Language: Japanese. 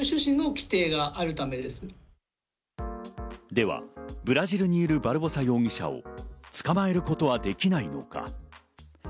ではブラジルにいるバルボサ容疑者を捕まえることはできないのか？